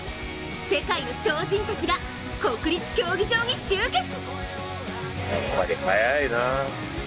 世界の超人たちが国立競技場に集結。